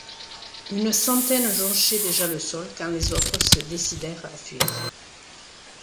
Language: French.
Une centaine jonchait déjà le sol, quand les autres se décidèrent à fuir